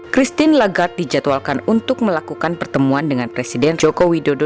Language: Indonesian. christine lagarde dijadwalkan untuk melakukan pertemuan dengan presiden joko widodo